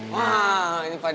wah nyupa daddy